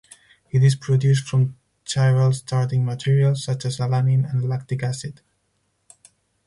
It is produced from chiral starting materials such as alanine and lactic acid.